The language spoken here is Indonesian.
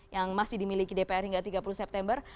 yang masih dimiliki dpr hingga tiga puluh september